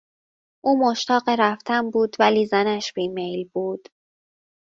او مشتاق رفتن بود ولی زنش بیمیل بود.